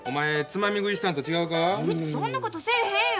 うちそんなことせえへんよ。